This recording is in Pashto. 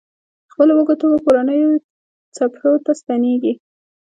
د خپلو وږو تږو کورنیو څپرو ته ستنېږي.